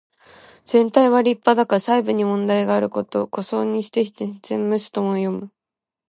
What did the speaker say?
全体は立派だが細部に問題があること。「狐裘にして羔袖す」とも読む。